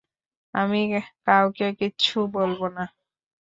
আমি কাউকে কিচ্ছু বলবো না।